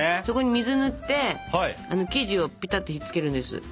そこに水塗って生地をぴたっとひっつけるんです。